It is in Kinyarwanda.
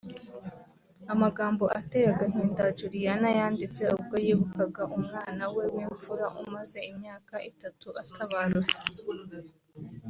Amagambo ateye agahinda Juliana yanditse ubwo yibukaga umwana we w'imfura umaze imyaka itatu atabarutse